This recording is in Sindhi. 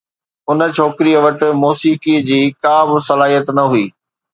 ان ڇوڪريءَ وٽ موسيقيءَ جي ڪا به صلاحيت نه هئي.